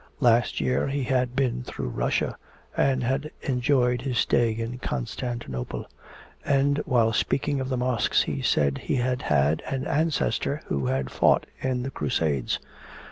Last year he had been through Russia, and had enjoyed his stay in Constantinople. And while speaking of the mosques he said that he had had an ancestor who had fought in the crusades.